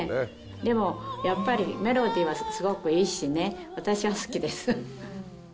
でも、やっぱりメロディはすごくいいしね、私は好きです。